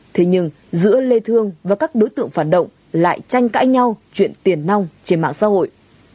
thế nhưng giữa lê thương và các đối tượng phản động lại tranh cãi nhau chuyện tiền nong trên mạng xã hội